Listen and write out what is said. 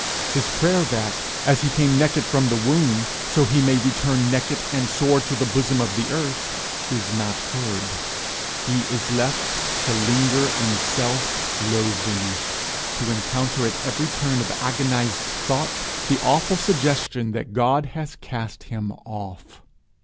His prayer that, as he came naked from the womb, so he may return naked and sore to the bosom of the earth, is not heard; he is left to linger in self loathing, to encounter at every turn of agonized thought the awful suggestion that God has cast him off!